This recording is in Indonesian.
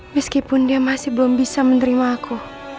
meskipun dia masih belum bisa menerima aku